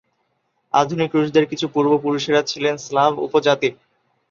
আধুনিক রুশদের কিছু পূর্বপুরুষেরা ছিলেন স্লাভ উপজাতির।